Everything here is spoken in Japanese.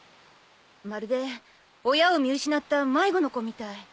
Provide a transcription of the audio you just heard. まるで親を見失った迷子の子みたい。